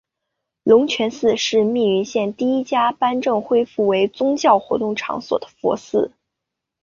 龙泉寺是密云县第一家颁证恢复为宗教活动场所的佛寺。